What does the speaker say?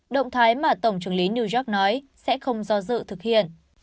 động thái mà tổng trưởng lý new york nói sẽ không do dự thực hiện